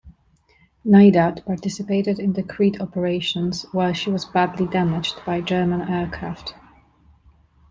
"Naiad" participated in the Crete operations, where she was badly damaged by German aircraft.